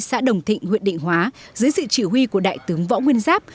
xã đồng thịnh huyện định hóa dưới sự chỉ huy của đại tướng võ nguyên giáp